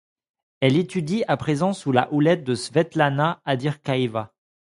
Elle étudie à présent sous la houlette de Svetlana Adyrkhaeva.